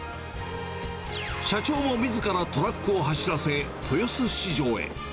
社長もみずからトラックを走らせ、豊洲市場へ。